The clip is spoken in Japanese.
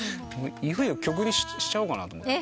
曲にしちゃおうかなと思って。